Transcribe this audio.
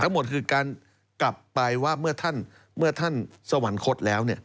หมดคือการกลับไปว่าเมื่อท่านสวรรคตแล้ว